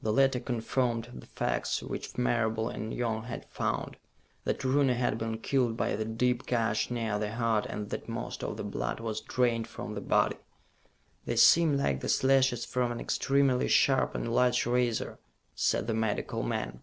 The latter confirmed the facts which Marable and Young had found: that Rooney had been killed by the deep gash near the heart and that most of the blood was drained from the body. "They seem like the slashes from an extremely sharp and large razor," said the medical man.